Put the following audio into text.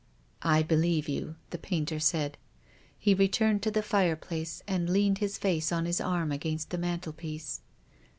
" I believe you," the painter said. He returned to the fireplace, and leaned his face on his arm against the mantelpiece.